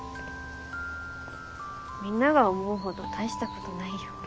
みんなが思うほど大したことないよ。